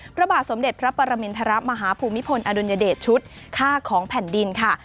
พระบาทสมเด็จพระปรมินทรมาฮภูมิพลอดุลยเดชชุดค่าของแผ่นดินค่ะ